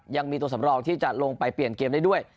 ยังมีตัวสำรองที่จะลงไปเปลี่ยนเกมได้ด้วย